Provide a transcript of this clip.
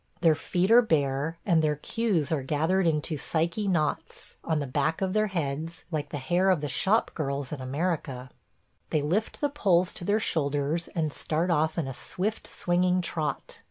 Their feet are bare and their queues are gathered into Psyche knots, on the back of their heads, like the hair of the shop girls in America. They lift the poles to their shoulders and start off in a swift swinging trot.